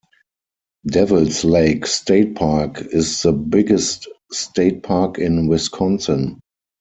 Devil's Lake State Park is the biggest state park in Wisconsin.